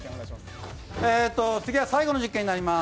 次は最後の実験になります。